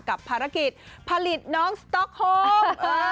กับภารกิจผลิตน้องสต๊อกโฮม